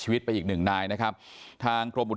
เหมือนกับทุกครั้งกลับบ้านมาอย่างปลอดภัย